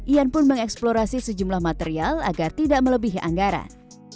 ian pun mengeksplorasi sejumlah material agar tidak melebihi anggaran